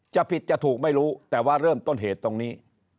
จะผิดจะถูกไม่รู้แต่ว่าเริ่มต้นเหตุตรงนี้